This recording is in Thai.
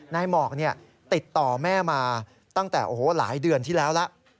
หมอกติดต่อแม่มาตั้งแต่หลายเดือนที่แล้วแล้ว